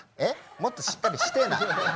もっとしっかりしてぇな。